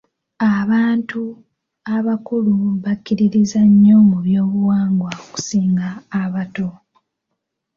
Abantu abakulu bakkiririzza nnyo mu byobuwangwa okusinga abato.